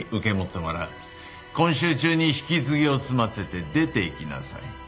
今週中に引き継ぎを済ませて出て行きなさい。